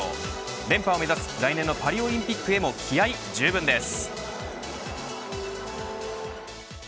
連覇を目指す来年のパリオリンピックへも気合じゅうぶんです。